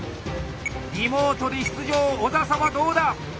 リモートで出場小佐々はどうだ？